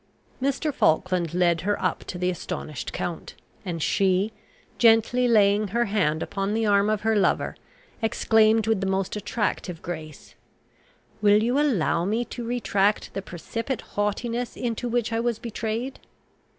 Mr. Falkland led her up to the astonished count; and she, gently laying her hand upon the arm of her lover, exclaimed with the most attractive grace, "Will you allow me to retract the precipitate haughtiness into which I was betrayed?"